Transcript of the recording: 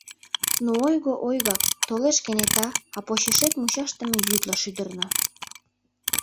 Но ойго — ойгак: толеш кенета, а почешет мучашдыме йӱдла шӱдырна.